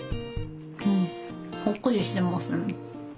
うんほっくりしてますね。